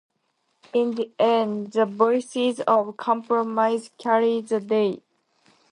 In the end, the voices of compromise carried the day.